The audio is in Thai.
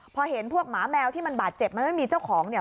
พอเห็นพวกหมาแมวที่มันบาดเจ็บมันไม่มีเจ้าของเนี่ย